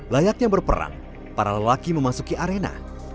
layaknya berperang para lelaki memasuki arena